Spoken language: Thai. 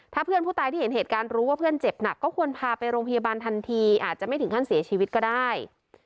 ถ้าเพื่อนผู้ตายที่เห็นเหตุการณ์รู้ว่าเพื่อนเจ็บหนักก็ควรพาไปโรงพยาบาลทันทีอาจจะไม่ถึงขั้นเสียชีวิตก็ได้